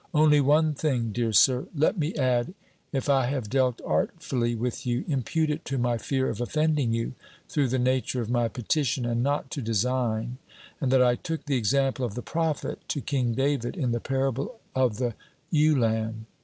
Only one thing, dear Sir, let me add; if I have dealt artfully with you, impute it to my fear of offending you, through the nature of my petition, and not to design; and that I took the example of the prophet, to King David, in the parable of the _Ewe Lamb.